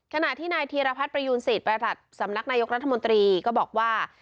ขณะที่นายธีรพัฒน์ประยูนศิษย์ประหลัดสำนักนายกรัฐมนตรีก็บอกว่า